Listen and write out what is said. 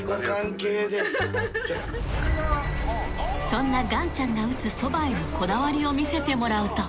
［そんながんちゃんが打つそばへのこだわりを見せてもらうと］